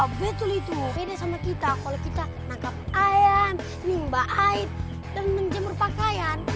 betul itu beda sama kita kalau kita nangkap ayam nimba hai dan menjemur pakaian